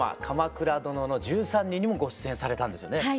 「鎌倉殿の１３人」にもご出演されたんですよね。